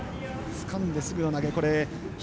つかんですぐの投げ。